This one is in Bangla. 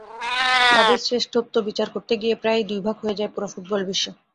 তাঁদের শ্রেষ্ঠত্ব বিচার করতে গিয়ে প্রায়ই দুই ভাগ হয়ে যায় পুরো ফুটবল বিশ্ব।